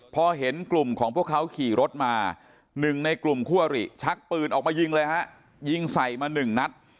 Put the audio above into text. พอเห็นกลุ่มของพวกเขาขี่รถมา๑ในกลุ่มคั่วหรี่ชักปืนออกมายิงเลยฮะยิงใส่มาหนึ่งนัด